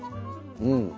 うん。